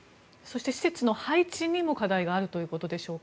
施設の配置にも課題があるということでしょうか。